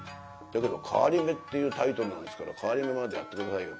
「だけど『替り目』っていうタイトルなんですから替り目までやって下さいよ」